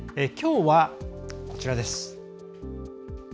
きょうは、こちら。